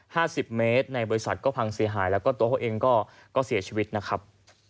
สิบเมตรในบริษัทก็พังเสียหายแล้วก็ตัวเขาเองก็เสียชีวิตนะครับ